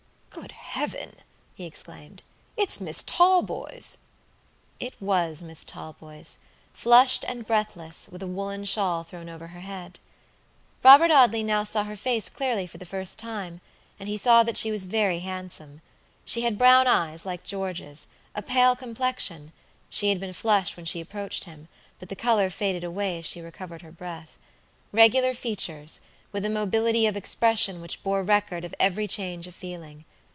"Good Heaven!" he exclaimed, "it's Miss Talboys." It was Miss Talboys, flushed and breathless, with a woolen shawl thrown over her head. Robert Audley now saw her face clearly for the first time, and he saw that she was very handsome. She had brown eyes, like George's, a pale complexion (she had been flushed when she approached him, but the color faded away as she recovered her breath), regular features, with a mobility of expression which bore record of every change of feeling.